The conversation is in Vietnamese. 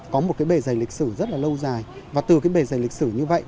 có một bề dày lịch sử rất là lâu dài và từ bề dày lịch sử như vậy